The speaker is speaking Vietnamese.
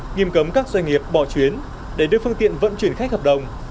nghiêm cấm các doanh nghiệp bỏ chuyến để đưa phương tiện vận chuyển khách hợp đồng